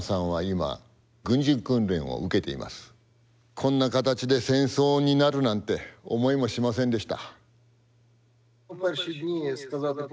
こんな形で戦争になるなんて思いもしませんでした。